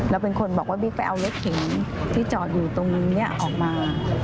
แล้วเป็นคนบอกว่าบิ๊กไปเอารถเก๋งที่จอดอยู่ตรงนี้ออกมา